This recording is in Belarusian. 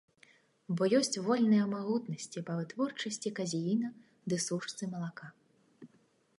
Бо ёсць вольныя магутнасці па вытворчасці казеіна ды сушцы малака.